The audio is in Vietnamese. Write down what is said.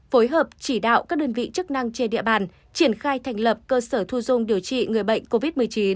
phối hợp chỉ đạo các đơn vị chức năng trên địa bàn triển khai thành lập cơ sở thu dung điều trị người bệnh covid một mươi chín